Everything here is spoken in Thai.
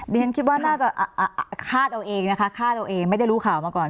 ดิฉันคิดว่าน่าจะคาดเอาเองนะคะคาดเอาเองไม่ได้รู้ข่าวมาก่อน